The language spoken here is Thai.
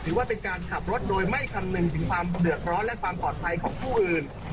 ถือว่าเป็นการขับรถโดยไม่คำนึงถึงความเดือดร้อนและความปลอดภัยของผู้อื่น